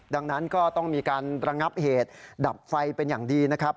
ดังนั้นก็ต้องมีการระงับเหตุดับไฟเป็นอย่างดีนะครับ